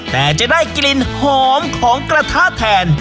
แต่จะได้กลิ่นหอมของกระทะแทน